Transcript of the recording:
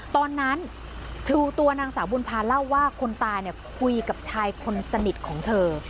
ตอนนั้นคือตัวนางสาวบุญพาเล่าว่าคนตายคุยกับชายคนสนิทของเธอ